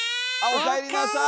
おかえりなさい！